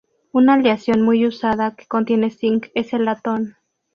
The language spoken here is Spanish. Una aleación muy usada que contiene zinc es el latón.